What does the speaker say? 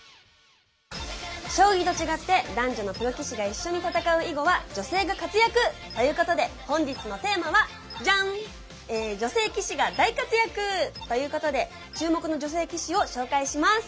将棋と違って男女のプロ棋士が一緒に戦う囲碁は女性が活躍！ということで本日のテーマはじゃん！ということで注目の女性棋士を紹介します。